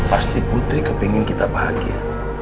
pasti putri kepingin kita bahagia